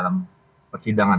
bahkan ketika di dalam persidangan